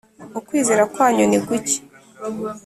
ukwizera kwanyu niguke.